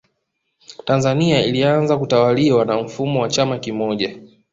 Tanzania ilianza kutawaliwa na mfumo wa chama kimoja